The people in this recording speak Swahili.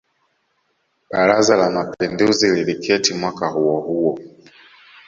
Baraza la Mapinduzi liliketi mwaka huo huo